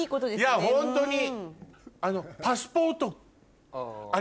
いやホントに。